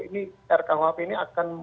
ini rkuhp ini akan